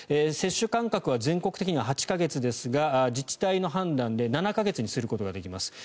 接種間隔は全国的には８か月ですが自治体の判断で７か月にすることができます。